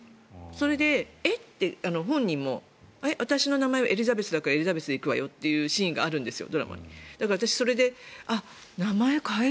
それで、えっ？って本人も私の名前はエリザベスだからエリザベスで行くわよというシーンがあるんですよ